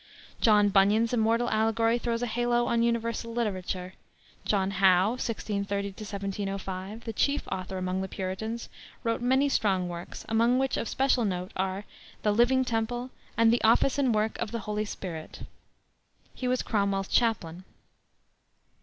John Bunyan's immortal allegory throws a halo on universal literature. John Howe (1630 1705), the chief author among the Puritans, wrote many strong works, among which of special note are The Living Temple and The Office and Work of the Holy Spirit. He was Cromwell's chaplain.